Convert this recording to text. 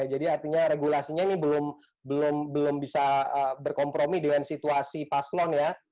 jadi artinya regulasinya ini belum bisa berkompromi dengan situasi paslon ya